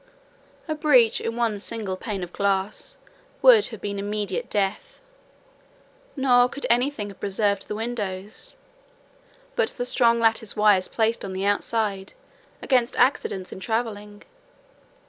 A breach in one single pane of glass would have been immediate death: nor could any thing have preserved the windows, but the strong lattice wires placed on the outside, against accidents in travelling.